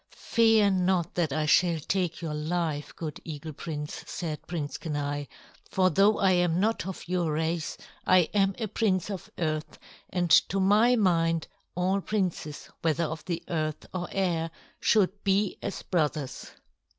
"Fear not that I shall take your life, good eagle prince," said Prince Kenai. "For though I am not of your race, I am a prince of earth, and to my mind all princes, whether of the earth or air, should be as brothers."